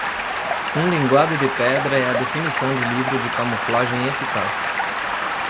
Um linguado de pedra é a definição de livro de camuflagem eficaz.